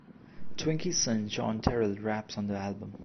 Twinkie's son John Terrell raps on the album.